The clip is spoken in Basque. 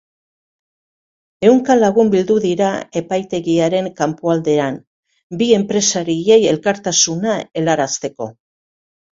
Ehunka lagun bildu dira epaitegiaren kanpoaldean bi enpresariei elkartasuna helarazteko.